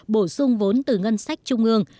bổ sung vốn từ ngân sách trung ương